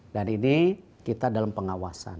dan ini kita dalam pengawasan